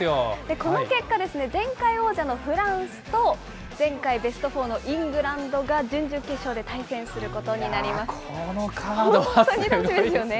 この結果、前回王者のフランスと、前回ベストフォーのイングランドが準々決勝で対戦することになりこのカードはすごいですね。